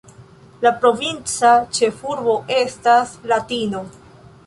La provinca ĉefurbo estas Latino.